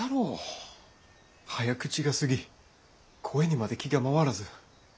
早口がすぎ声にまで気が回らず。